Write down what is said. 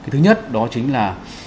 thứ nhất đó chính là